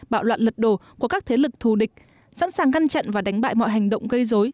bạo loạn lật đổ của các thế lực thù địch sẵn sàng ngăn chặn và đánh bại mọi hành động gây dối